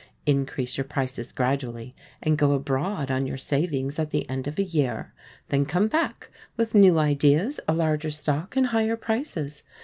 Increase your prices gradually, and go abroad on your savings at the end of a year, then come back with new ideas, a larger stock, and higher prices.